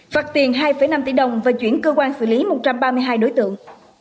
phạt tiền hai năm tỷ đồng và chuyển cơ quan xử lý một trăm ba mươi hai đối tượng